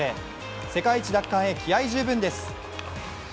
世界一奪還へ気合い十分です。